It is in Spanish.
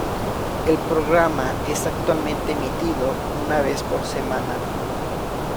El programa es actualmente emitido una vez por semana.